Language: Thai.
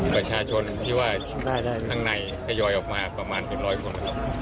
ประชาชนที่ว่าทางในขยอยออกมาประมาณ๑๐๐คน